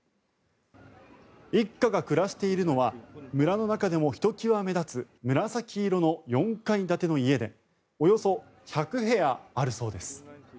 一家が暮らしているのは村の中でもひときわ目立つ紫色の４階建ての家でおよそ１００部屋あるそうです。